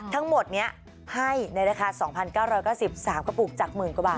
ทั้งหมดนี้ให้ในราคา๒๙๙๓กระปุกจากหมื่นกว่าบาท